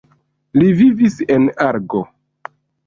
Li vivis en Argo.